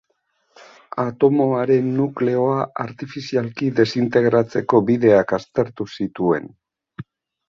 Atomoaren nukleoa artifizialki desintegratzeko bideak aztertu zituen.